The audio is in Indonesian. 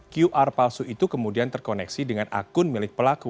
qr palsu itu kemudian terkoneksi dengan akun milik pelaku